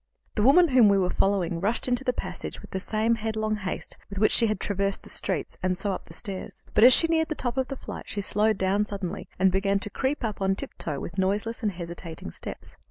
The woman whom we were following rushed into the passage with the same headlong haste with which she had traversed the streets, and so up the stairs. But as she neared the top of the flight she slowed down suddenly, and began to creep up on tiptoe with noiseless and hesitating steps.